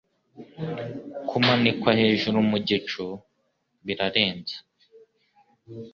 Kumanikwa hejuru mu gicu bira renze.